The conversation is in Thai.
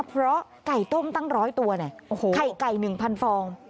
เพราะไก่ต้มตั้ง๑๐๐ตัวไข่ไก่๑๐๐ฟอง